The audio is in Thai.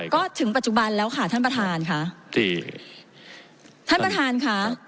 ก็ถึงปัจจุบันแล้วค่ะท่านประธานค่ะท่านประธานค่ะ